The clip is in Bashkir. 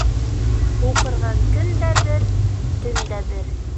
Һуҡырға көн дә бер, төн дә бер.